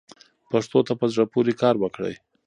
پښتو ته په زړه پورې کار وکړئ.